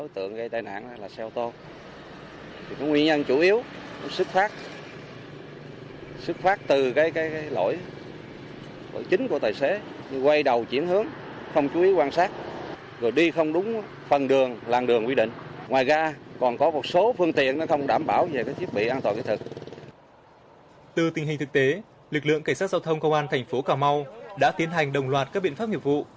từ tình hình thực tế lực lượng cảnh sát giao thông công an thành phố cà mau đã tiến hành đồng loạt các biện pháp nghiệp vụ